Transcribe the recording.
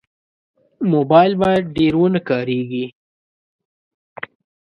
موبایل باید ډېر ونه کارېږي.